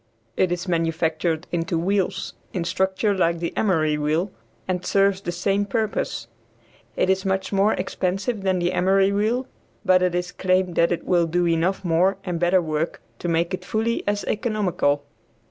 It is manufactured into wheels, in structure like the emery wheel, and serves the same purpose. It is much more expensive than the emery wheel, but it is claimed that it will do enough more and better work to make it fully as economical.